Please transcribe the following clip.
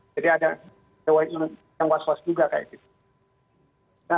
jadi ada yang was was juga kayak gitu